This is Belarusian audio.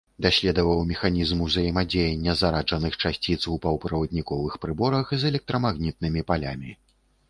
Даследаваў механізм узаемадзеяння зараджаных часціц у паўправадніковых прыборах з электрамагнітнымі палямі.